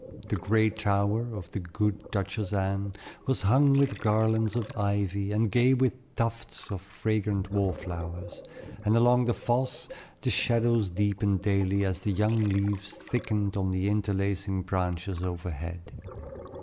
The gray tower of the good Duchess Anne was hung with garlands of ivy and gay with tufts of fragrant wallflowers, and along the fosse the shadows deepened daily as the young leaves thickened on the interlacing branches overhead.